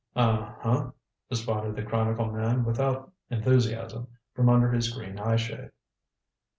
"Uh, huh," responded the Chronicle man without enthusiasm, from under his green eye shade.